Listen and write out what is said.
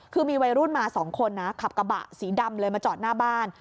คือมีวัยรุ่นมา๒คนนะขับกระบะสีดำเลยมาจอดหน้าบ้าน